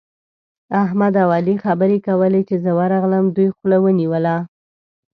احمد او علي خبرې کولې؛ چې زه ورغلم، دوی خوله ونيوله.